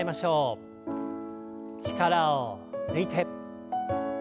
力を抜いて。